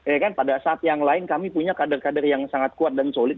ya kan pada saat yang lain kami punya kader kader yang sangat kuat dan solid